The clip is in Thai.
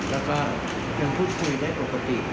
แล้วก็ยังพูดคุยได้ปกติ